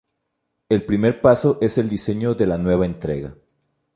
El primer paso es el diseño de la nueva entrega.